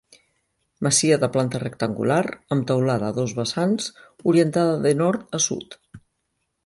Masia de planta rectangular amb teulada a dos vessants, orientada de nord a sud.